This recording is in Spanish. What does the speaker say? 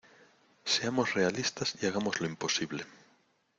Seamos realistas y hagamos lo imposible.